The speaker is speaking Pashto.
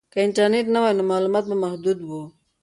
که انټرنیټ نه وای نو معلومات به محدود وو.